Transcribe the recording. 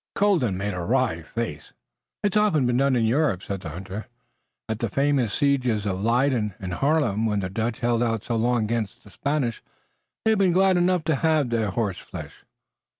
Colden made a wry face. "It's often been done in Europe," said the hunter. "At the famous sieges of Leyden and Haarlem, when the Dutch held out so long against the Spanish, they'd have been glad enough to have had horseflesh."